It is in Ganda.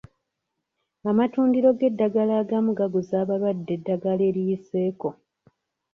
Amatundiro g'eddagala agamu gaguza abalwadde eddagala eriyiseeko.